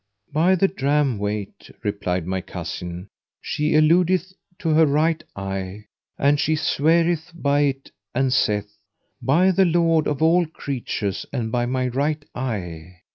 "By the dram weight," replied my cousin, "she alludeth to her right eye,[FN#512] and she sweareth by it and saith, 'By the Lord of all creatures and by my right eye!